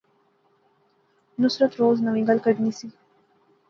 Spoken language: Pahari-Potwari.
نصرت روز ناوی گل کھڈنی سی